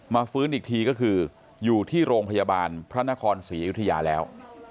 ฟื้นอีกทีก็คืออยู่ที่โรงพยาบาลพระนครศรีอยุธยาแล้ว